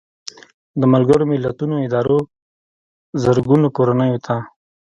د ملګرو ملتونو ادارو زرګونو کورنیو ته